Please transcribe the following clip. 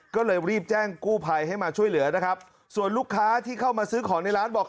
ก็เลยรีบแจ้งกู้ภัยให้มาช่วยเหลือนะครับส่วนลูกค้าที่เข้ามาซื้อของในร้านบอก